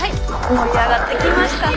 盛り上がってきましたね。